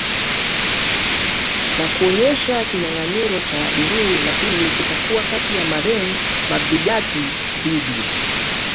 na kuonyesha kinyanganyiro cha duru la pili kitakuwa kati ya maren marigati dhidi